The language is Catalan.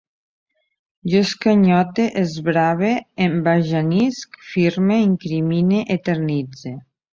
Jo escanyote, esbrave, embajanisc, firme, incrimine, eternitze